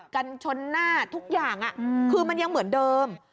กันชนหน้าทุกอย่างคือมันยังเหมือนเดิม